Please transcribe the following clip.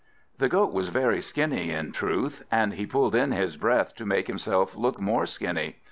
The Goat was very skinny, in truth, and he pulled in his breath to make himself look more skinny.